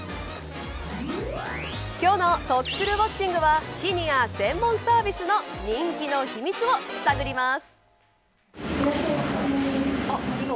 今日の得するウォッチング！はシニア専門サービスの人気の秘密を探ります。